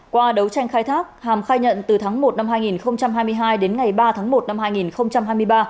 qua đấu tranh khai thác hàm khai nhận từ tháng một năm hai nghìn hai mươi hai đến ngày ba tháng một năm hai nghìn hai mươi ba